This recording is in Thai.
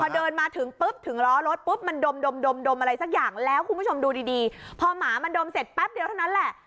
พอเดินมาถึงปุ๊บถึงล้อรถปุ๊บมันดมอะไรสักอย่างแล้วคุณผู้ชมดูดีพอหมามันดมเสร็จแป๊บเดียวเท่านั้นแหละ